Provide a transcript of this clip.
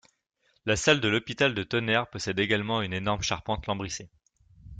La salle de l’hôpital de Tonnerre possède également une énorme charpente lambrissée.